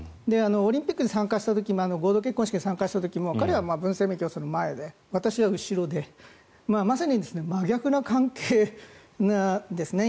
オリンピックに参加した時も合同結婚式に参加した時も彼はブン・センメイ教祖の前で私は後ろでまさに真逆の関係なんですね。